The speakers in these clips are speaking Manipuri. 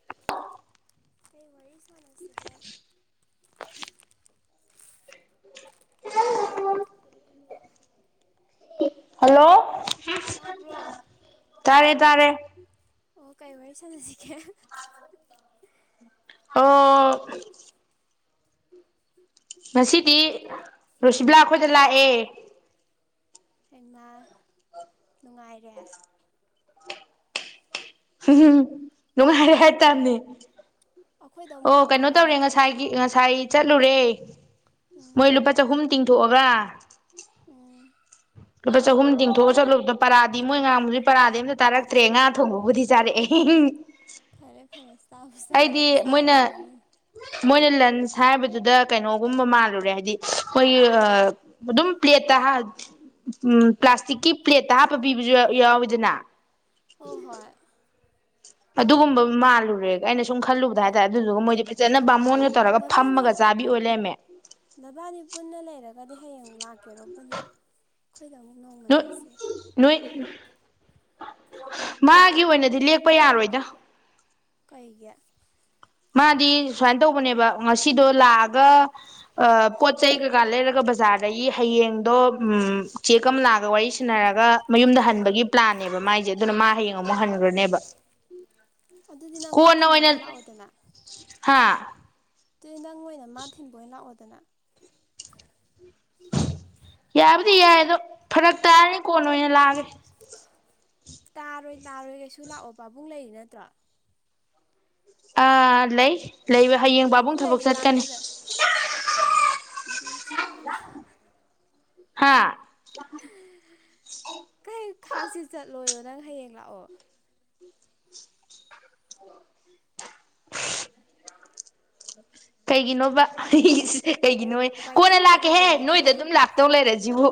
[inaudible] ꯀꯩ ꯋꯥꯔꯤ ꯁꯥꯅꯁꯤꯒꯦ ꯇꯕ꯭ꯔꯣ ꯍꯜꯂꯣ ꯇꯥꯕ꯭ꯔꯣ ꯇꯥꯔꯦ ꯇꯥꯔꯦ ꯑꯣ ꯀꯔꯤ ꯋꯥꯔꯤ ꯁꯥꯟꯅꯁꯤꯒꯦ [inaudible] ꯑꯣ ꯉꯁꯤꯗꯤ ꯔꯣꯁꯤꯕꯂꯥ ꯑꯩꯈꯣꯏꯗ ꯂꯥꯛꯑꯦ ꯍꯩꯃ ꯅꯨꯡꯉꯥꯏꯔꯦ ꯎꯝ ꯅꯨꯡꯉꯥꯏꯔꯦ ꯍꯥꯏꯇꯥꯝꯅꯦ ꯑꯩꯈꯣꯏꯗ ꯑꯃꯨꯛ ꯑꯣ ꯂꯥꯛꯑꯣ ꯀꯩꯅꯣ ꯅꯕꯥꯅꯤ ꯇꯧꯔꯦ ꯄꯨꯟꯅ ꯉꯁꯥꯏꯒꯤ ꯉꯁꯥꯏ ꯆꯠꯂꯨꯔꯦ ꯎꯝ ꯃꯣꯏ ꯂꯨꯄꯥ ꯆꯍꯨꯝ ꯇꯤꯡꯊꯣꯛꯑꯒ ꯎꯝ ꯂꯨꯄꯥ ꯆꯍꯨꯝ ꯇꯤꯡꯊꯣꯛꯑꯒ ꯆꯠꯂꯨꯕꯗꯣ ꯄꯔꯥꯗꯤ ꯃꯣꯏ ꯉꯥꯥꯡꯕꯨꯨꯗꯤ ꯄꯔꯥꯗꯤ ꯑꯝꯇ ꯇꯥꯔꯛꯇ꯭ꯔꯦ ꯉꯥ ꯊꯣꯡꯕꯕꯨꯗꯤ ꯆꯥꯔꯛꯑꯦ ꯐꯔꯦ ꯐꯔꯦ ꯆꯥꯕꯄ ꯑꯩꯗꯤ ꯆꯥꯔꯛꯑꯗꯤ ꯆꯥꯕꯅ ꯃꯣꯏꯅ ꯃꯔꯨꯅꯦ ꯃꯣꯏꯅ ꯂꯟꯁ ꯍꯥꯏꯕꯗꯨꯗ ꯀꯩꯅꯣꯒꯨꯝꯕ ꯃꯥꯜꯂꯨꯔꯦ ꯍꯥꯏꯗꯤ ꯈꯣꯏꯒꯤ ꯑꯗꯨꯝ ꯄ꯭ꯂꯦꯠꯇ ꯍꯞ ꯎꯝ ꯄ꯭ꯂꯥꯁꯇꯤꯛꯀꯤ ꯄ꯭ꯂꯦꯠꯇ ꯍꯥꯞꯄꯒ ꯄꯤꯕꯁꯨ ꯌꯥꯎꯋꯤꯗꯅ ꯑꯣ ꯍꯣꯏ ꯑꯗꯨꯒꯨꯝꯕ ꯃꯥꯜꯂꯨꯔꯦ ꯑꯩꯅ ꯁꯨꯝ ꯈꯜꯂꯨꯕꯗ ꯍꯥꯏꯇꯥꯔꯦ ꯑꯗꯨꯗꯨꯒ ꯃꯣꯏꯗꯤ ꯐꯖꯅ ꯕꯥꯃꯣꯟꯒ ꯇꯧꯔꯒ ꯅꯕꯥꯅꯤ ꯐꯝꯃꯒ ꯆꯥꯕꯤ ꯑꯣꯏ ꯂꯩꯔꯝꯃꯦ ꯅꯕꯥꯅꯤ ꯄꯨꯟꯅ ꯂꯩꯔꯒꯗꯤ ꯍꯌꯦꯡ ꯂꯥꯛꯀꯦꯔꯣ ꯄꯨꯟꯅ ꯑꯩꯈꯣꯏꯗ ꯑꯃꯨꯛ ꯅꯣꯡꯃ ꯅꯣꯏ ꯂꯩꯁꯦ ꯅꯣꯏ ꯃꯥꯒꯤ ꯑꯣꯏꯅꯗꯤ ꯂꯦꯛꯄ ꯌꯥꯔꯣꯏꯗ ꯀꯩꯒꯤ ꯃꯥꯗꯤ ꯁꯨꯃꯥꯏ ꯇꯧꯕꯅꯦꯕ ꯉꯁꯤꯗꯣ ꯂꯥꯛꯑꯒ ꯑ ꯄꯣꯠ ꯆꯩꯩ ꯀꯩꯀꯥ ꯂꯩꯔꯒ ꯕꯖꯥꯔꯗꯒꯤ ꯍꯌꯦꯡꯗꯣ ꯎꯝ ꯆꯦ ꯀꯝꯂꯥꯒ ꯋꯥꯔꯤ ꯁꯤꯟꯅꯔꯒ ꯃꯌꯨꯝꯗ ꯍꯟꯕꯒꯤ ꯄ꯭ꯂꯥꯟꯅꯦꯕ ꯃꯥꯏꯁꯦ ꯑꯗꯨꯅ ꯃꯥ ꯍꯌꯦꯡ ꯑꯃꯨꯛ ꯍꯟꯈ꯭ꯔꯅꯦꯕ ꯑꯗꯨꯗꯤ ꯅꯪ ꯃꯥ ꯊꯤꯟ ꯑꯣꯏꯅ ꯂꯥꯛꯑꯣꯗꯅ ꯍꯥꯥ ꯑꯗꯨ ꯅꯪ ꯑꯣꯏꯅ ꯃꯥ ꯊꯤꯟꯕ ꯑꯣꯏꯅ ꯂꯥꯛꯑꯣꯗꯅ ꯌꯥꯕꯨꯗꯤ ꯌꯥꯏ ꯑꯗꯣ ꯐꯔꯛ ꯇꯥꯔꯅꯤ ꯀꯣꯟ ꯑꯣꯏꯅ ꯂꯥꯛꯑꯒꯦ ꯇꯥꯔꯣꯏ ꯇꯥꯔꯣꯏ ꯀꯩꯁꯨ ꯂꯥꯛꯑꯣ ꯄꯥꯕꯨꯡ ꯂꯩꯔꯤ ꯅꯠꯇ꯭ꯔꯣ ꯑꯥ ꯂꯩ ꯂꯩꯕ ꯍꯌꯦꯡ ꯄꯥꯕꯨꯡ ꯊꯕꯛ ꯆꯠꯀꯅꯤ [unintelligible] ꯍꯥꯥ ꯀꯩ ꯈꯥꯛꯆꯤꯟ ꯆꯠꯂꯣꯏꯌꯣ ꯅꯪ ꯍꯌꯦꯡ ꯂꯥꯛꯑꯣ ꯀꯩꯒꯤꯅꯣꯕ ꯀꯩꯒꯤꯅꯣꯌꯦ ꯀꯣꯟꯅ ꯋꯥꯏꯊꯧ ꯆꯠꯂꯨꯁꯦ ꯂꯥꯛꯀꯦꯍꯦ ꯋꯥꯏꯊꯧ ꯅꯣꯏꯗ ꯑꯗꯨꯝ ꯂꯥꯛ ꯇꯧ ꯂꯩꯔꯦ ꯖꯤꯕꯨ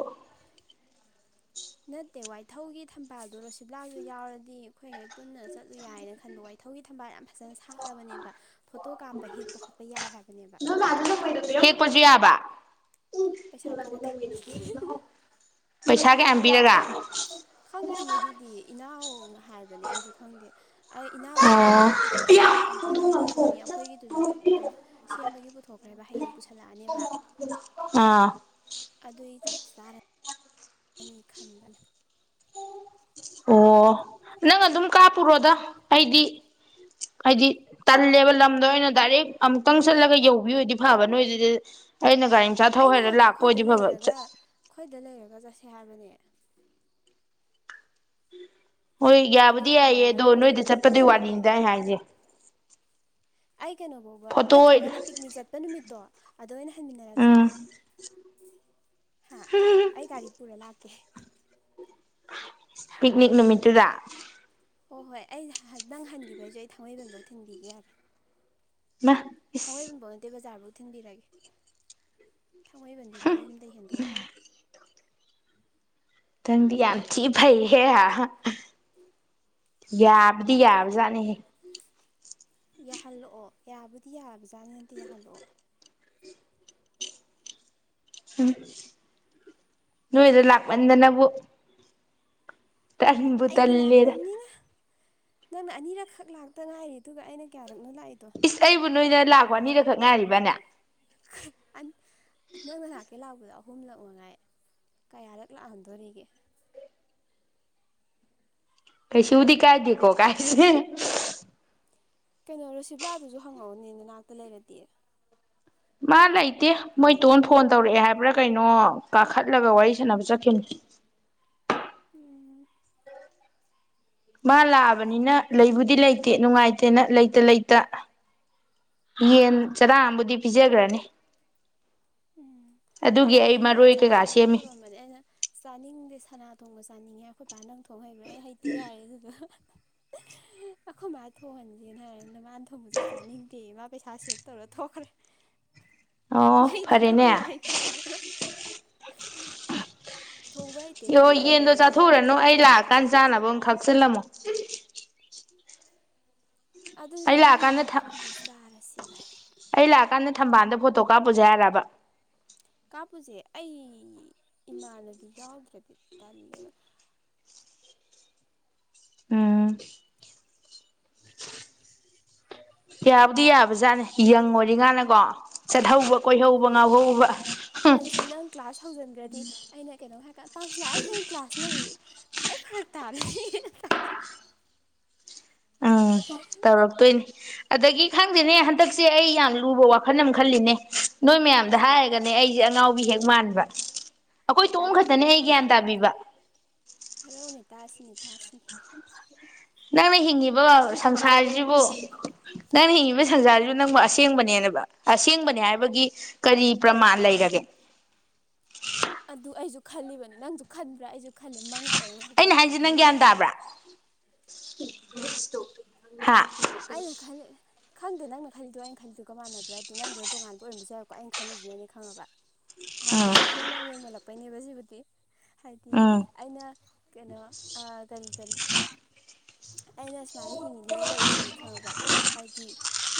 ꯅꯠꯇꯦ ꯋꯥꯏꯊꯧꯒꯤ ꯊꯝꯕꯥꯜꯗꯨ ꯔꯣꯁꯤꯂꯥꯁꯨ ꯌꯥꯎꯔꯗꯤ ꯑꯩꯈꯣꯏꯒꯩ ꯄꯨꯟꯅ ꯆꯠꯂꯨ ꯌꯥꯏꯅ ꯈꯟꯕ ꯋꯥꯏ ꯃꯊꯧꯒꯤ ꯊꯝꯕꯥꯜ ꯌꯥꯝ ꯐꯖꯅ ꯁꯥꯠꯂꯕꯅꯦꯕ ꯐꯣꯇꯣ ꯀꯥꯞꯄ ꯍꯦꯛꯄ ꯈꯣꯠꯄ ꯌꯥꯏ ꯍꯥꯏꯕꯅꯦꯕ ꯄꯨꯖꯤ ꯌꯥꯕ ꯄꯩꯁꯥ ꯄꯤꯔꯒ ꯄꯩꯁꯥ ꯀꯌꯥꯝ ꯄꯤꯔꯒ ꯈꯪꯗꯦ ꯑꯗꯨꯗꯤ ꯏꯅꯥꯎꯅ ꯍꯥꯏꯕꯅꯦ ꯑꯩꯁꯨ ꯈꯪꯗꯦ ꯑꯩ ꯏꯅꯥꯎ ꯍꯣꯏ ꯒꯥꯔꯤ ꯑꯣ ꯑꯃ ꯄꯨꯊꯣꯛꯑꯅꯤ ꯑꯟꯖꯨꯅ ꯑꯃ ꯄꯨꯊꯣꯛꯑꯅꯤ ꯑꯩꯈꯣꯏꯒꯤꯗꯨꯁꯨ ꯑꯗꯨꯝ ꯁꯦꯝꯕꯒꯤ ꯄꯨꯊꯣꯛꯈ꯭ꯔꯦꯕ ꯍꯌꯦꯡ ꯄꯨꯁꯜꯂꯛꯑꯅꯦꯕ ꯑꯥ ꯑꯗꯨꯏ ꯆꯞ ꯆꯥꯔꯅꯤ ꯑꯅꯤ ꯈꯟꯕꯅ ꯑꯣ ꯅꯪ ꯑꯗꯨꯝ ꯀꯥꯞꯄꯨꯔꯣꯗ ꯑꯩꯗꯤ ꯑꯩꯗꯤ ꯇꯜꯂꯦꯕ ꯂꯝꯗꯣ ꯑꯣꯏꯅ ꯗꯥꯏꯔꯦꯛ ꯑꯃꯨꯛꯇꯪ ꯆꯠꯂꯒ ꯌꯧꯕꯤ ꯑꯣꯏꯗꯤ ꯐꯕ ꯅꯣꯏꯗꯨꯗꯤ ꯑꯩꯅ ꯒꯥꯔꯤ ꯃꯆꯥ ꯊꯧ ꯑꯩꯅ ꯍꯩꯔ ꯍꯥꯏꯕꯗꯤ ꯂꯥꯛꯄ ꯑꯩꯈꯣꯏꯗ ꯑꯣꯏꯗꯤ ꯐꯕ ꯂꯩꯔꯒ ꯑꯩꯈꯣꯏꯗ ꯂꯩꯔꯒ ꯆꯠꯁꯦ ꯍꯥꯏꯕꯅꯦ ꯍꯣꯏ ꯑꯗꯨ ꯌꯥꯕꯨꯗꯤ ꯌꯥꯏꯌꯦ ꯑꯗꯣ ꯅꯣꯡꯉꯥꯜꯂꯒ ꯅꯣꯏꯗꯤ ꯆꯠꯄꯗꯨ ꯊꯤꯟꯕꯤꯔꯁꯨ ꯌꯥꯏ ꯋꯥꯅꯤꯗ ꯑꯩ ꯍꯥꯏꯁꯦ ꯑꯩ ꯀꯩꯅꯣꯐꯧꯕ ꯐꯣꯇꯣ ꯅꯠꯇ꯭ꯔꯒꯅ ꯄꯤꯛꯅꯤꯛ ꯆꯠꯄ ꯅꯨꯃꯤꯠꯇꯣ ꯑꯗꯨꯗ ꯑꯣꯏꯅ ꯎꯝ ꯍꯟꯃꯤꯟꯅꯔꯛꯁꯤꯔꯥ ꯍꯥ ꯑꯩ ꯒꯥꯔꯤ ꯄꯨꯔ ꯂꯥꯛꯀꯦ ꯄꯤꯛꯅꯤꯛ ꯅꯨꯃꯤꯠꯇꯨꯗ ꯍꯣꯏ ꯍꯣꯏ ꯑꯩ ꯅꯪ ꯍꯟꯈꯤꯕꯩꯁꯨ ꯑꯩ ꯊꯥꯡꯃꯩꯕꯟꯐꯧ ꯊꯤꯟꯕꯤꯒꯦ ꯌꯥꯔꯦ ꯃꯥ ꯏꯁ ꯊꯥꯡꯃꯩꯕꯟꯕꯥꯎ ꯅꯠꯇꯦ ꯕꯖꯥꯔꯐꯧ ꯊꯤꯟꯕꯤꯔꯒꯦ ꯊꯥꯡꯃꯩꯕꯟꯗꯨꯗꯤ ꯌꯨꯝꯗꯩ ꯍꯦꯟꯗꯣꯛꯈ꯭ꯔꯦ ꯊꯪꯗꯤ ꯌꯥꯝꯊꯤ ꯐꯩꯍꯦ ꯌꯥꯕꯗꯤ ꯌꯥꯕꯖꯥꯕꯅꯤꯍꯦ ꯌꯥꯍꯜꯂꯛꯑꯣ ꯌꯥꯕꯨꯗꯤ ꯌꯥꯕꯖꯥꯠꯅꯤ ꯅꯠꯇꯦ ꯌꯥꯍꯜꯂꯛꯑꯣ ꯎꯝ ꯅꯣꯏꯗ ꯂꯥꯛꯃꯟꯗꯅꯕꯨ ꯇꯟꯕꯨ ꯑꯩꯗꯤ ꯇꯜꯂꯦꯗ ꯂꯥꯛꯇꯝꯅꯤꯅ ꯅꯪꯅ ꯑꯅꯤꯔꯛꯈꯛ ꯂꯥꯛꯇ ꯉꯥꯏꯔꯤ ꯑꯗꯨꯒ ꯑꯩꯅ ꯀꯌꯥꯔꯛꯅ ꯂꯥꯛꯏꯗꯣ ꯏꯁ ꯑꯩꯕꯨ ꯅꯣꯏꯅ ꯂꯥꯛꯄ ꯑꯅꯤꯔ ꯈꯛ ꯉꯥꯏꯔꯤꯕꯅꯦ ꯑꯟ ꯅꯪꯅꯥ ꯂꯛꯀꯦ ꯂꯥꯛꯄꯗꯣ ꯑꯍꯨꯝꯂꯛ ꯃꯉꯥꯏ ꯀꯌꯥꯔꯛ ꯂꯥꯛꯍꯟꯗꯣꯔꯤꯒꯦ ꯀꯩꯁꯨꯗꯤ ꯀꯥꯏꯗꯦꯀꯣ ꯀꯥꯏ [unintelligible] ꯀꯩꯅꯣ ꯔꯣꯁꯤꯄ꯭ꯂꯥꯗꯨꯁꯨ ꯍꯪꯉꯛꯎꯅꯦ ꯅꯅꯥꯛꯇ ꯂꯩꯔꯗꯤ ꯃꯥ ꯂꯩꯇꯦ ꯃꯣꯏ ꯇꯣꯟ ꯐꯣꯟ ꯇꯧꯔꯛꯑꯦ ꯍꯥꯏꯕ꯭ꯔꯥ ꯀꯩꯅꯣ ꯀꯥꯈꯠꯂꯒ ꯋꯥꯔꯤ ꯁꯥꯟꯅꯕ ꯆꯠꯈꯤꯝ [unintelligible] ꯃꯥ ꯂꯥꯛꯑꯕꯅꯤꯅ ꯂꯩꯕꯨꯗꯤ ꯂꯩꯇꯦ ꯅꯨꯡꯉꯥꯏꯇꯦꯅ ꯂꯩꯇ ꯂꯩꯇ ꯌꯦꯟ ꯆꯔꯥꯑꯥꯝꯕꯨꯗꯤ ꯄꯤꯖꯒ꯭ꯔꯅꯤ ꯎꯝ ꯍꯣꯏ ꯑꯗꯨꯒꯤ ꯑꯩ ꯄꯥꯅꯁꯨ ꯌꯦꯟ ꯃꯔꯣꯏ ꯀꯩꯀꯥ ꯆꯥꯁꯤꯔꯣ ꯁꯦꯝꯃꯤ ꯇꯧꯔꯝꯕꯅꯦ ꯑꯩꯅ ꯆꯥꯅꯤꯡꯗꯦ ꯁꯅꯥ ꯊꯣꯡꯕ ꯆꯥꯅꯤꯡꯉꯦ ꯑꯩꯈꯣꯏ ꯕꯥ ꯅꯪ ꯊꯣꯡ ꯍꯩꯕ꯭ꯔꯥ ꯑꯩ ꯍꯩꯇꯦ ꯌꯥꯔꯦ ꯑꯗꯨꯗꯣ [unintelligible] ꯑꯩꯈꯣꯏ ꯃꯥ ꯊꯣꯡꯍꯟꯁꯦꯅ ꯍꯥꯏ ꯅꯃꯥꯅ ꯊꯣꯡꯕꯁꯨ ꯆꯥꯅꯤꯡꯗꯦ ꯃꯥ ꯄꯩꯁꯥ ꯁꯦꯚ ꯇꯧꯔ ꯊꯣꯛꯈ꯭ꯔꯦ ꯑꯣ ꯂꯩꯗꯅꯕ ꯐꯔꯦꯅꯦ ꯃꯔꯩ ꯇꯧꯔꯝꯃꯒ ꯊꯣꯡꯕ ꯍꯩꯇꯦ ꯌꯣ ꯈꯪ ꯂꯩꯔꯕ ꯌꯦꯟꯗꯣ ꯑꯩꯉꯣꯟꯗ ꯃꯥꯅ ꯆꯥꯊꯣꯛꯎꯔꯅꯨ ꯊꯣꯡꯕ ꯑꯩ ꯍꯩꯕ꯭ꯔꯥ ꯂꯥꯛꯑꯀꯥꯟꯗ ꯍꯪꯉꯤꯁꯦ ꯆꯥꯅꯕ ꯑꯃ ꯈꯛꯆꯤꯜꯂꯝꯃꯣ ꯑꯗꯨꯗꯤ ꯑꯩ ꯅꯪ ꯂꯥꯛꯑꯀꯥꯟꯗ ꯂꯥꯛꯀꯥꯟꯗ ꯆꯥꯔꯁꯤ ꯚꯥꯏ ꯑꯩ ꯂꯥꯛꯑꯀꯥꯟꯗ ꯊꯝꯕꯥꯜꯗ ꯐꯣꯇꯣ ꯀꯥꯞ ꯄꯨꯁꯦ ꯍꯥꯏꯔꯕ ꯀꯥꯄꯨꯁꯦ ꯑꯩ ꯏꯃꯥꯟꯅꯕꯤ ꯌꯥꯎꯗ꯭ꯔꯗꯤ ꯇꯜꯂꯦ ꯎꯝ ꯌꯥꯕꯨꯗꯤ ꯌꯥꯕꯖꯥꯠꯅꯦ ꯌꯪ ꯑꯣꯏꯔꯤꯉꯥꯅꯀꯣ ꯆꯠꯍꯧꯕ ꯀꯣꯏꯍꯧꯕ ꯑꯗꯨꯅꯦ ꯉꯥꯎꯍꯧꯕ ꯍꯧꯖꯤꯛ ꯅꯪ ꯀ꯭ꯂꯥꯁ ꯍꯧꯖꯟꯒ꯭ꯔꯗꯤ ꯑꯩꯅ ꯀꯩꯅꯣ ꯍꯥꯏꯔꯀꯥꯟꯗ ꯄꯥꯁꯅ ꯑꯩ ꯍꯌꯦꯡ ꯀ꯭ꯂꯥꯁ ꯂꯩꯌꯦ ꯑꯩ ꯐꯔꯛ ꯇꯥꯔꯅꯤ [unintelligible] ꯇꯧꯔꯛꯇꯨꯏꯅꯤ ꯑꯗꯒꯤ ꯈꯪꯗꯦꯅꯦ ꯍꯟꯗꯛꯁꯦ ꯑꯩ ꯌꯥꯝ ꯂꯨꯕ ꯋꯥꯈꯜ ꯑꯃ ꯈꯜꯂꯤꯅꯦ ꯅꯣꯏ ꯃꯌꯥꯝꯗ ꯀꯩꯅꯣ ꯍꯥꯏꯔꯒꯅꯦ ꯑꯩꯖꯦ ꯑꯉꯥꯎꯕꯤ ꯍꯦꯛ ꯃꯥꯟꯕ ꯑꯈꯣꯏ ꯇꯣꯝ ꯍꯥꯏꯔꯛꯎꯅꯦ ꯈꯛꯇꯅꯦ ꯑꯩ ꯒ꯭ꯌꯥꯟ ꯇꯥꯕꯤꯕ ꯍꯜꯂꯣꯅꯦ ꯇꯥꯁꯤꯅꯦ ꯇꯥꯁꯤꯅꯦ ꯅꯪꯅ ꯍꯤꯡꯉꯤꯕ ꯁꯪꯁꯥꯔꯖꯤꯕꯨ ꯅꯪꯅ ꯍꯤꯡꯉꯤꯕ ꯁꯟꯖꯥꯔꯖꯨ ꯅꯪꯕꯨ ꯑꯁꯦꯡꯕꯅꯦꯅꯕ ꯑꯁꯦꯡꯕꯅꯦ ꯍꯥꯏꯕꯒꯤ ꯀꯔꯤ ꯄ꯭ꯔꯃꯥꯟ ꯂꯩꯔꯒꯦ ꯑꯗꯨ ꯑꯩꯖꯨ ꯈꯜꯂꯤꯕꯅꯤ ꯅꯪꯖꯨ ꯈꯟꯕ꯭ꯔꯥ ꯑꯩꯖꯨ ꯈꯜꯂꯤ ꯅꯪ ꯑꯩꯅ ꯍꯥꯏꯖꯤ ꯅꯪ ꯒ꯭ꯌꯥꯟ ꯇꯥꯕ꯭ꯔꯥ ꯍꯥ ꯑꯩꯅ ꯈꯜꯂꯤ ꯈꯪꯗꯦ ꯅꯪꯅ ꯈꯜꯂꯤꯗꯣ ꯑꯩꯅ ꯈꯜꯂꯤꯗꯨꯒ ꯃꯥꯟꯅꯕ꯭ꯔꯗꯤ ꯅꯪꯗꯨꯅ ꯇꯣꯉꯥꯟꯕ ꯑꯣꯏꯔꯝꯕꯁꯨ ꯌꯥꯎꯕꯀꯣ ꯑꯩ ꯈꯜꯂꯤꯖꯤꯅꯅꯦ ꯈꯪꯉꯕ ꯍꯥꯏꯗꯤ ꯎꯝ ꯐꯤꯂꯝ ꯌꯥꯝ ꯌꯦꯡꯃꯜꯂꯛꯄꯩꯅꯦꯕ ꯁꯤꯕꯨꯗꯤ ꯍꯥꯏꯗꯤ ꯎꯝ ꯑꯩꯅ ꯀꯩꯅꯣ ꯑ ꯀꯔꯤ ꯀꯔꯤ ꯑꯩꯅ ꯁꯨꯃꯥꯏꯅ ꯍꯤꯡꯉꯤꯅꯦꯅ ꯂꯩꯖꯤ ꯈꯪꯉꯥꯕ ꯍꯥꯏꯗꯤ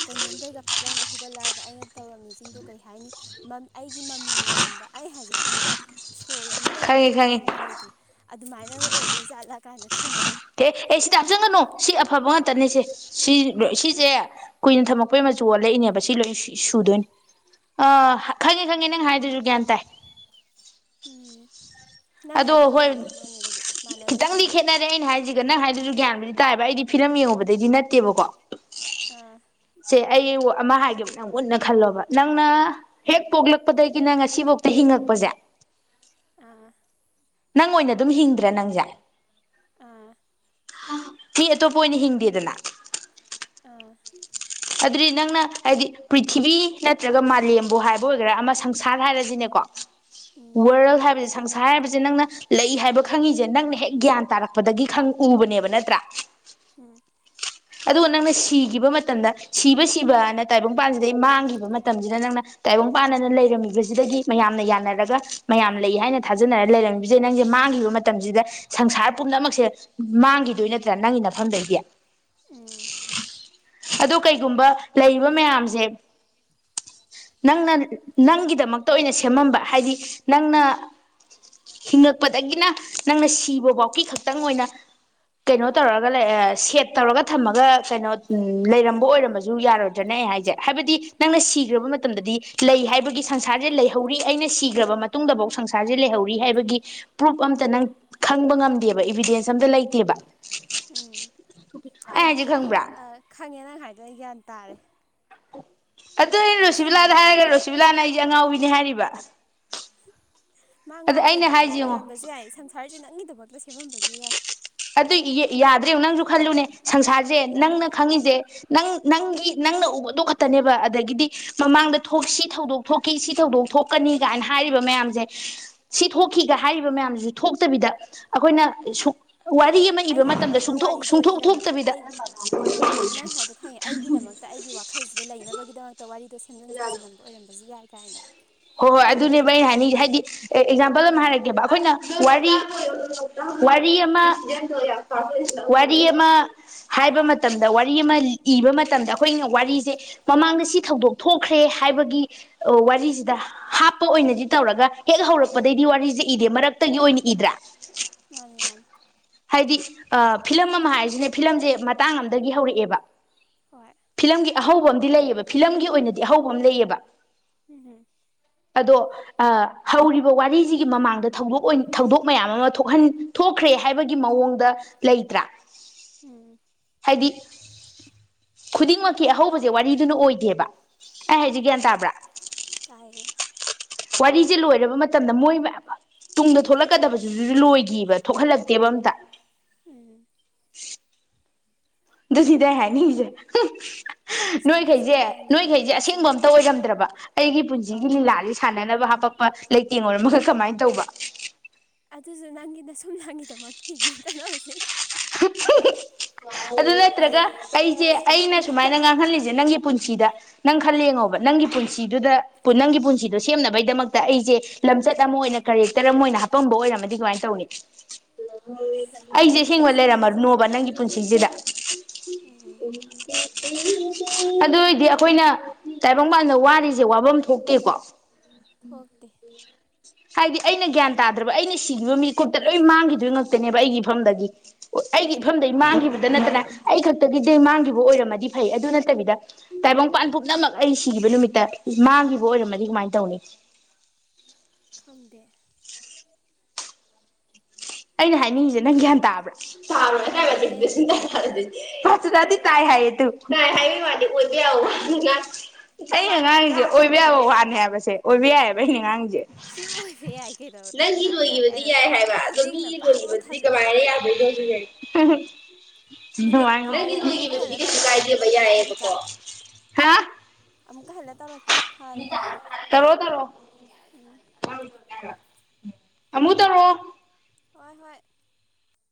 ꯀꯩꯅꯣꯝꯗꯩꯒ ꯐꯠꯂꯥꯎꯒ ꯍꯧꯒꯠꯂꯛꯑꯒ ꯑꯩꯅ ꯇꯧꯔꯝꯃꯤꯁꯤꯡꯗꯣ ꯀꯩ ꯍꯥꯏꯅꯤ ꯃꯝ ꯑꯩꯒꯤ ꯃꯃꯤꯅꯒꯨꯝꯕ ꯑꯩ ꯍꯥꯏꯖꯦ ꯈꯪꯕ꯭ꯔꯥ ꯁꯣꯜ ꯑꯃ ꯂꯩꯔꯥꯝꯕ ꯈꯪꯉꯦ ꯈꯪꯉꯦ ꯇꯧꯔꯝꯕ ꯂꯩꯇꯦ ꯑꯗꯨꯃꯥꯏꯅꯒ ꯑꯣꯏꯗꯣꯏ ꯖꯥꯠꯂꯛ ꯀꯥꯏꯅ ꯈꯟꯕꯗꯣ ꯇꯦ ꯑꯦ ꯁꯤꯗ ꯍꯥꯞꯆꯟꯒꯅꯣ ꯁꯤ ꯑꯐꯕ ꯉꯥꯛꯇꯅꯦꯁꯦ ꯁꯤ ꯂꯣꯏ ꯁꯤꯖꯦ ꯀꯨꯏꯅ ꯊꯝꯃꯛꯄꯩ ꯃꯆꯨ ꯑꯣꯜꯂꯛꯏꯅꯦꯕ ꯁꯤ ꯂꯣꯏ ꯁꯤ ꯁꯨꯗꯣꯏꯟ ꯑꯥ ꯈꯪꯉꯦ ꯈꯪꯉꯦ ꯅꯪ ꯍꯥꯏꯗꯨꯖꯨ ꯒ꯭ꯌꯥꯟ ꯇꯥꯏ ꯎꯝ ꯅꯪ ꯑꯗꯣ ꯍꯥꯏꯗꯨꯅ ꯀꯩꯅꯣ ꯍꯥꯏꯕꯩ ꯋꯥꯅꯤ ꯑꯗꯨꯗꯤ ꯃꯥꯟꯅꯗ꯭ꯔꯦ ꯈꯪꯉꯦ ꯅꯔꯦ ꯑꯩꯅ ꯍꯥꯏꯖꯤꯒ ꯅꯪ ꯍꯥꯏꯗꯨꯖꯨ ꯒ꯭ꯌꯥꯟꯕꯨꯗꯤ ꯇꯥꯏꯕ ꯑꯩꯗꯤ ꯐꯤꯂꯝ ꯌꯦꯉꯨꯕꯗꯩꯗꯤ ꯅꯠꯇꯦꯕꯀꯣ ꯑꯥ ꯁꯦ ꯑꯩ ꯋꯥ ꯑꯃ ꯍꯥꯏꯒꯦꯕ ꯅꯪ ꯃꯨꯟꯅ ꯈꯜꯂꯣꯕ ꯅꯪꯅ ꯍꯦꯛ ꯄꯣꯛꯂꯛꯄꯗꯒꯤꯅ ꯉꯁꯤꯐꯧꯗ ꯍꯤꯡꯉꯛꯄꯖꯦ ꯑꯥ ꯅꯪ ꯑꯣꯏꯅ ꯑꯗꯨꯝ ꯍꯤꯡꯗ꯭ꯔ ꯅꯪꯖꯦ ꯑꯥ ꯐ ꯃꯤ ꯑꯇꯣꯞꯄ ꯑꯣꯏꯅ ꯍꯤꯡꯗꯦꯗꯅ꯫ ꯑꯥ ꯑꯗꯨꯗꯤ ꯅꯪꯅ ꯍꯥꯏꯗꯤ ꯄ꯭ꯔꯤꯊꯤꯕꯤ ꯅꯠꯇ꯭ꯔꯒ ꯃꯥꯂꯦꯝꯕꯨ ꯍꯥꯏꯕ ꯑꯣꯏꯒꯦꯔꯥ ꯑꯃ ꯁꯪꯁꯥꯔ ꯍꯥꯏꯔꯖꯤꯅꯦꯀꯣ ꯎꯝ ꯋꯥꯔꯜ ꯍꯥꯏꯕꯁꯤ ꯁꯪꯁꯥꯔ ꯍꯥꯏꯕꯖꯦ ꯅꯪꯅ ꯂꯩ ꯍꯥꯏꯕ ꯈꯪꯉꯤꯖꯦ ꯅꯪꯅ ꯍꯦꯛ ꯒ꯭ꯌꯥꯟ ꯇꯥꯔꯛꯄꯗꯒꯤ ꯈꯪ ꯎꯕꯅꯦꯕ ꯅꯠꯇ꯭ꯔꯥ꯫ ꯎꯝ ꯑꯗꯨꯒ ꯅꯪꯅ ꯁꯤꯒꯤꯕ ꯃꯇꯝꯗ ꯁꯤꯕ ꯁꯤꯕꯅ ꯇꯥꯏꯕꯪꯄꯥꯟꯁꯤꯗꯩ ꯃꯥꯡꯒꯤꯕ ꯃꯇꯝꯖꯤꯗ ꯅꯪꯅ ꯇꯥꯏꯕꯪ ꯄꯥꯟꯅꯅ ꯂꯩꯔꯝꯃꯤꯕꯁꯤꯗꯒꯤ ꯃꯌꯥꯝꯅ ꯌꯥꯅꯔꯒ ꯃꯌꯥꯝ ꯂꯩ ꯍꯥꯏꯅ ꯊꯥꯖꯅꯔ ꯂꯩꯔꯝꯕꯤꯖꯦ ꯅꯪꯖꯦ ꯃꯥꯡꯒꯤꯕ ꯃꯇꯝ ꯇꯝꯖꯤꯗ ꯁꯪꯁꯥꯔ ꯄꯨꯝꯅꯃꯛꯁꯦ ꯃꯥꯡꯒꯤꯗꯨꯏ ꯅꯠꯇ꯭ꯔꯥ ꯅꯪꯒꯤ ꯅꯐꯝꯗꯩꯗꯤ꯫ ꯎꯝ ꯑꯗꯣ ꯀꯩꯒꯨꯝꯕ ꯂꯩꯔꯤꯕ ꯃꯌꯥꯝꯖꯦ ꯅꯪꯅ ꯅꯪꯒꯤꯗꯃꯛꯇ ꯑꯣꯏꯅ ꯁꯦꯝꯃꯝꯕ ꯍꯥꯏꯗꯤ ꯅꯪꯅ ꯍꯤꯡꯉꯛꯄꯗꯒꯤꯅ ꯅꯪꯅ ꯁꯤꯕ ꯐꯥꯎꯀꯤ ꯈꯛꯇꯪ ꯑꯣꯏꯅ ꯀꯩꯅꯣ ꯇꯧꯔꯒ ꯂꯩꯔ ꯁꯦꯠ ꯇꯧꯔꯒ ꯊꯝꯃꯒ ꯀꯩꯅꯣ ꯎ ꯂꯩꯔꯝꯕ ꯑꯣꯏꯔꯝꯕꯖꯨ ꯌꯥꯔꯣꯏꯗ꯭ꯔꯅꯦ ꯑꯩ ꯍꯥꯏꯖꯦ ꯍꯥꯏꯕꯗꯤ ꯅꯪꯅ ꯁꯤꯒ꯭ꯔꯕ ꯃꯇꯝꯗꯗꯤ ꯂꯩ ꯍꯥꯏꯕꯒꯤ ꯁꯪꯁꯥꯔꯖꯦ ꯂꯩꯍꯧꯔꯤ ꯑꯩꯅ ꯁꯤꯒ꯭ꯔꯕ ꯃꯇꯨꯡꯗꯐꯧ ꯁꯪꯁꯥꯔꯖꯦ ꯂꯩꯍꯧꯔꯤ ꯍꯥꯏꯕꯒꯤ ꯄ꯭ꯔꯨꯐ ꯑꯝꯇ ꯅꯪ ꯈꯪꯕ ꯉꯝꯗꯦꯕ ꯏꯕꯤꯗꯦꯟꯁ ꯑꯝꯇ ꯂꯩꯇꯦꯕ꯫ ꯎꯝ ꯑꯩ ꯍꯥꯏꯁꯦ ꯍꯥꯏꯗꯤ ꯈꯪꯕ꯭ꯔꯥ ꯑ ꯈꯪꯉꯦ ꯅꯪ ꯍꯥꯏꯗꯣ ꯑꯩ ꯒ꯭ꯌꯥꯟ ꯇꯥꯔꯦ꯫ ꯑꯗꯨ ꯑꯩꯅ ꯂꯧꯁꯤꯟꯕ ꯔꯨꯁꯤꯕꯤꯂꯥꯗ ꯉꯝꯃꯦ ꯍꯥꯏꯔꯒ ꯔꯨꯁꯤꯕꯤꯂꯥꯅ ꯑꯩꯖꯦ ꯑꯉꯥꯎꯕꯤꯅꯦ ꯍꯥꯏꯔꯤꯕ꯫ ꯃꯥ ꯑꯗ ꯑꯩꯅ ꯉꯥꯎꯕꯩꯅꯦ ꯚꯥꯏ ꯍꯥꯏꯁꯦ ꯌꯦꯡꯉꯣ ꯑꯣꯏꯔꯝꯕꯁꯨ ꯌꯥꯏ ꯁꯪꯁꯥꯔꯁꯦ ꯅꯪꯒꯤꯗꯃꯛꯇ ꯁꯦꯝꯃꯝꯕꯁꯨ ꯌꯥꯏ ꯑꯗꯨ ꯌꯥꯗ꯭ꯔꯦ ꯅꯪꯁꯨ ꯈꯜꯂꯨꯅꯦ ꯁꯪꯁꯥꯔꯁꯦ ꯌꯥꯏ ꯅꯪꯅ ꯈꯪꯉꯤꯁꯦ ꯅꯪ ꯅꯪꯒꯤ ꯅꯪꯅ ꯎꯕꯥꯗꯣ ꯈꯛꯇꯅꯦꯕ ꯑꯗꯒꯤꯗꯤ ꯃꯃꯥꯡꯗ ꯊꯣꯛ ꯁꯤ ꯊꯧꯗꯣꯛ ꯊꯣꯛꯈꯤ ꯁꯤ ꯊꯧꯗꯣꯛ ꯊꯣꯛꯀꯅꯤ ꯀꯥꯏꯅ ꯍꯥꯏꯔꯤꯕ ꯃꯌꯥꯝꯁꯦ ꯁꯤ ꯊꯣꯛꯈꯤꯒ ꯍꯥꯏꯔꯤꯕ ꯃꯌꯥꯝꯗꯨꯁꯨ ꯊꯣꯛꯇꯕꯤꯗ ꯑꯩꯈꯣꯏꯅ ꯋꯥꯔꯤ ꯑꯃ ꯏꯕ ꯃꯇꯝꯗ ꯑꯩꯒꯤꯗꯃꯛꯇ ꯋꯥꯔꯤꯗꯣ ꯁꯨꯡꯊꯣꯛ ꯏꯔꯝ ꯊꯣꯛꯇꯕꯤꯗ ꯑꯩ ꯍꯦꯛꯇ ꯑꯩꯒꯤ ꯋꯥꯈꯜꯁꯤꯗ ꯂꯩꯅꯕꯒꯤꯗꯃꯛꯇ ꯋꯥꯔꯤꯗꯣ ꯁꯦꯝꯖꯤꯟ ꯁꯥꯖꯤꯜꯂꯝꯕ ꯑꯣꯏꯔꯝꯕꯁꯨ ꯌꯥꯏ ꯀꯥꯏꯅ ꯍꯣꯏ ꯍꯣꯏ ꯑꯗꯨꯅꯦꯕ ꯑꯩꯅ ꯍꯥꯏꯅꯤꯡ ꯍꯥꯏꯗꯤ ꯑꯦꯛꯖꯥꯝꯄꯜ ꯑꯃ ꯎꯝ ꯍꯥꯏꯔꯛꯀꯦꯕ ꯑꯩꯈꯣꯏꯅ ꯋꯥꯔꯤ ꯋꯥꯔꯤ ꯑꯃ ꯋꯥꯔꯤ ꯑꯃ ꯍꯥꯏꯕ ꯃꯇꯝꯗ ꯋꯥꯔꯤ ꯑꯃ ꯏꯕ ꯃꯇꯝꯗ ꯑꯩꯈꯣꯏꯅ ꯋꯥꯔꯤꯁꯦ ꯃꯃꯥꯡꯗ ꯁꯤ ꯊꯧꯗꯣꯛ ꯊꯣꯛꯈ꯭ꯔꯦ ꯍꯥꯏꯕꯒꯤ ꯋꯥꯔꯤꯁꯤꯗ ꯍꯥꯞꯄ ꯑꯣꯏꯅꯗꯤ ꯇꯧꯔꯒ ꯍꯦꯛ ꯍꯧꯔꯛꯄꯗꯩꯗꯤ ꯎꯝ ꯋꯥꯔꯤꯁꯦ ꯏꯗꯦ ꯃꯔꯛꯇꯒꯤ ꯑꯣꯏꯅ ꯏꯗ꯭ꯔꯥ ꯃꯥꯅꯤ ꯃꯥꯅꯤ ꯍꯥꯏꯗꯤ ꯐꯤꯂꯝ ꯑꯃ ꯍꯥꯏꯔꯤꯁꯤꯅꯦ ꯐꯤꯂꯝꯁꯦ ꯃꯇꯥꯡ ꯑꯗꯒꯤ ꯍꯧꯔꯛꯑꯦꯕ ꯍꯣꯏ ꯐꯤꯂꯝꯒꯤ ꯑꯍꯧꯕ ꯑꯃꯗꯤꯝ ꯂꯩꯌꯦꯕ ꯐꯤꯂꯝꯒꯤ ꯑꯣꯏꯅꯗꯤ ꯑꯍꯧꯕ ꯑꯃ ꯂꯩꯑꯕ ꯍꯝ ꯍꯝ ꯑꯗꯣ ꯍꯧꯔꯤꯕ ꯋꯥꯔꯤꯁꯤꯒꯤ ꯃꯃꯥꯡꯗ ꯊꯧꯗꯣꯛ ꯊꯧꯗꯣꯛ ꯃꯌꯥꯝ ꯑꯃ ꯊꯣꯛꯍꯟ ꯊꯣꯛꯈ꯭ꯔꯦ ꯍꯥꯏꯕꯒꯤ ꯃꯑꯣꯡꯗ ꯂꯩꯇ꯭ꯔꯥ ꯎꯝ ꯍꯥꯏꯗꯤ ꯈꯨꯗꯤꯡꯃꯛꯀꯤ ꯑꯍꯧꯕꯖꯦ ꯋꯥꯔꯤꯗꯨꯅ ꯑꯣꯏꯗꯦꯕ꯫ ꯑꯩ ꯍꯥꯏꯁꯦ ꯎꯝ ꯒ꯭ꯌꯥꯟ ꯇꯥꯕ꯭ꯔꯥ ꯇꯥꯏꯌꯦ꯫ ꯋꯥꯔꯤꯖꯦ ꯂꯣꯏꯔꯕ ꯃꯇꯝꯗ ꯃꯣꯏꯃ ꯇꯨꯡꯗ ꯊꯣꯛꯂꯛꯀꯗꯕꯗꯨꯁꯨ ꯂꯣꯏꯒꯤꯕ ꯊꯣꯛꯍꯜꯂꯛꯇꯦꯕ ꯑꯝꯇ꯫ ꯎꯝ ꯗ ꯁꯤꯗ ꯍꯥꯏꯅꯤꯡꯖꯦ ꯆꯨꯝꯃꯦ ꯅꯣꯏꯈꯩꯖꯦ ꯆꯨꯝꯃꯦ ꯅꯪꯅ ꯅꯣꯏꯈꯩꯖꯦ ꯍꯥꯏꯕꯅ ꯑꯁꯦꯡꯕ ꯆꯨꯝꯃꯦ ꯑꯝꯇ ꯑꯣꯏꯔꯝꯗ꯭ꯔꯕ ꯑꯩꯒꯤ ꯄꯨꯟꯁꯤꯒꯤ ꯑꯧ ꯂꯤꯂꯥꯖꯤ ꯁꯥꯟꯅꯅꯕ ꯍꯥꯄꯛꯄ ꯂꯩꯇꯦꯡ ꯑꯣꯏꯔꯝꯃꯒ ꯀꯃꯥꯏ ꯇꯧꯕ? ꯑꯗꯨꯖꯨ ꯅꯪꯒꯤ ꯁꯨꯝꯂꯥꯡꯒꯤꯗꯃꯛ ꯍꯤꯡꯉꯦꯗꯅ ꯍꯧꯖꯤꯛ꯫ ꯑꯗꯨ ꯅꯠꯇ꯭ꯔꯒ ꯑꯩꯖꯦ ꯑꯩꯅ ꯁꯨꯃꯥꯏ ꯉꯥꯡꯍꯜꯂꯤꯖꯦ ꯅꯪꯒꯤ ꯄꯨꯟꯁꯤꯗ꯫ ꯅꯪ ꯈꯜꯂ ꯌꯦꯡꯉꯣꯕ ꯅꯪꯒꯤ ꯄꯨꯟꯁꯤꯗꯨꯗ ꯅꯪꯒꯤ ꯄꯨꯟꯁꯤꯗꯣ ꯁꯦꯝꯅꯕꯩꯗꯃꯛꯇ ꯑꯩꯖꯦ ꯂꯝꯆꯠ ꯑꯃ ꯑꯣꯏꯅ ꯀꯔꯦꯛꯇꯔ ꯑꯃ ꯑꯣꯏꯅ ꯍꯥꯞꯄꯝꯕ ꯑꯣꯏꯔꯝꯃꯗꯤ ꯀꯃꯥꯏ ꯇꯧꯅꯤ? ꯑꯩꯖꯦ ꯑꯗꯨꯗꯤ ꯑꯁꯦꯡꯕ ꯑꯩꯁꯦ ꯌꯥꯝ ꯊꯤ ꯂꯩꯔꯝꯃꯅꯣꯕ ꯅꯪꯒꯤ ꯄꯨꯟꯁꯤꯖꯤꯗ ꯎꯝ ꯑꯗꯨ ꯑꯣꯏꯗꯤ ꯑꯈꯣꯏꯅ ꯇꯥꯏꯕꯪꯕꯄꯥꯟꯗ ꯋꯥꯔꯤꯖꯦ ꯋꯥꯕꯝ ꯊꯣꯛꯇꯦꯀꯣ꯫ ꯊꯣꯛꯇꯦ ꯍꯥꯏꯗꯤ ꯑꯩꯅ ꯒ꯭ꯌꯥꯟ ꯇꯥꯗ꯭ꯔꯕ ꯑꯩꯅ ꯁꯤꯈꯤꯕ ꯃꯤꯀꯨꯞꯇ ꯂꯣꯏ ꯃꯥꯡꯈꯤꯗꯣꯏ ꯉꯥꯛꯇꯅꯦꯕ ꯑꯩꯒꯤ ꯏꯐꯝꯗꯒꯤ꯫ ꯑꯩꯒꯤ ꯏꯐꯝꯗꯩ ꯃꯥꯡꯈꯤꯕꯗ ꯅꯠꯇꯅ ꯑꯩ ꯈꯛꯇꯒꯤꯗꯤ ꯃꯥꯡꯈꯤꯕ ꯑꯣꯏꯔꯝꯃꯗꯤ ꯐꯩ ꯑꯗꯨ ꯅꯠꯇꯕꯤꯗ ꯇꯥꯏꯕꯪꯄꯥꯟ ꯄꯨꯝꯅꯃꯛ ꯑꯩ ꯁꯤꯒꯤꯕ ꯅꯨꯃꯤꯠꯇ ꯃꯥꯡꯒꯤꯕ ꯑꯣꯏꯔꯝꯃꯗꯤ ꯀꯃꯥꯏ ꯇꯧꯅꯤ? ꯈꯪꯗꯦ ꯑꯩꯅ ꯍꯥꯏꯅꯤꯡꯉꯤꯖꯦ ꯅꯪ ꯒ꯭ꯌꯥꯟ ꯇꯥꯕ꯭ꯔꯥ? ꯇꯥꯏꯌꯦ [unintelligible] [unintelligible] ꯗꯤ ꯇꯥꯏ ꯍꯥꯏꯌꯦ ꯇꯨ ꯇꯥꯏ ꯍꯥꯏ ꯃꯥꯗꯤ ꯑꯣꯏꯕ ꯌꯥꯕ ꯋꯥ ꯑꯝ ꯉꯥꯡꯗꯦ꯫ ꯑꯩꯅ ꯉꯥꯡꯉꯤꯖꯦ ꯑꯣꯏꯕ ꯌꯥꯏꯕ ꯋꯥꯅꯤ ꯍꯥꯏꯕꯁꯦ ꯑꯣꯏꯕ ꯌꯥꯏꯑꯕ ꯑꯩꯅ ꯉꯥꯡꯉꯤꯖꯦ ꯁꯤ ꯑꯣꯏꯕ ꯌꯥꯏ ꯀꯩꯗꯧꯔꯒꯦ ꯅꯪꯒꯤ ꯀꯅꯥ ꯌꯥꯗꯦ ꯂꯣꯏꯒꯤꯕꯗꯤ ꯍꯥꯏꯅꯣ ꯌꯥꯏ ꯍꯥꯏꯕ ꯑꯗꯨ ꯈꯨꯅꯤꯡꯅ ꯃꯤꯒꯤ ꯄꯥꯛ ꯂꯥꯎ ꯂꯣꯏꯒꯤꯕꯗꯨꯗꯤ ꯊꯥꯖꯤꯜꯂꯨ ꯀꯃꯥꯏꯅ ꯌꯥꯗꯣꯏꯅꯣ ꯁꯤꯅꯦ꯫ ꯃꯤꯅꯤꯠ ꯅꯪꯒꯤ ꯐꯥꯔꯦ ꯑꯃꯨꯛꯀ ꯂꯣꯏꯒꯤꯕꯗꯨꯗꯤ ꯍꯜꯂ ꯀꯩꯁꯨ ꯇꯧꯔꯛꯀꯦ ꯀꯥꯏꯗꯦꯕ ꯗꯤꯄꯤꯀꯥ ꯌꯥꯏꯑꯌꯦꯕꯀꯣ ꯑꯃꯨꯛꯀ ꯍꯜꯂ ꯇꯧꯔꯛꯀꯦ ꯐꯥꯔꯦ꯫ ꯇꯧꯔꯣ ꯇꯧꯔꯣ ꯎꯝ [unintelligible] ꯑꯃꯨꯛ ꯇꯧꯔꯣ ꯍꯣꯏ ꯍꯣꯏ